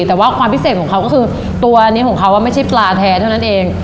แต่ว่าความพิเศษของเขาก็คือตัวนี้ของเขาไม่ใช่ปลาแท้เท่านั้นเอง